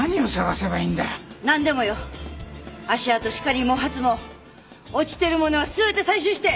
しかり毛髪も落ちてるものは全て採取して！